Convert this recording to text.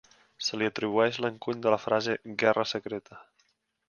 Se li atribueix l'encuny de la frase "guerra secreta".